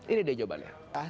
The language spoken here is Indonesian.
ini deh jawabannya